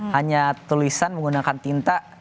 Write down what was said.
hanya tulisan menggunakan tinta